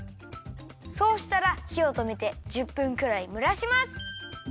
そうしたらひをとめて１０分くらいむらします。